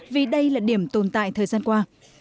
vì đây là điểm tồn tại thời gian qua